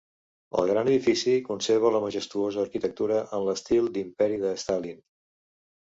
El gran edifici conserva la majestuosa arquitectura en l'estil d'imperi de Stalin.